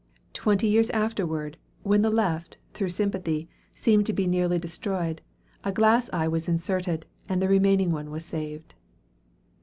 Twenty years afterward, when the left, through sympathy, seemed to be nearly destroyed, a glass eye was inserted, and the remaining one was saved.